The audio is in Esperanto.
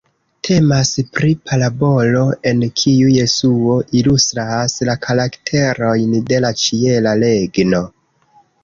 Temas pri parabolo en kiu Jesuo ilustras la karakterojn de la Ĉiela Regno.